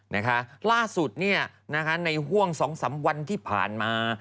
นะคะล่าสุดเนี่ยนะคะในห่วงสองสามวันที่ผ่านมา